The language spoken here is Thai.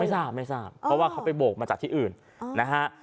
ไม่ทราบไม่ทราบเพราะเขาไปโบ้กมาจากที่อื่นนะครับ